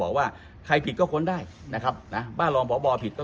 มองว่าเป็นการสกัดท่านหรือเปล่าครับเพราะว่าท่านก็อยู่ในตำแหน่งรองพอด้วยในช่วงนี้นะครับ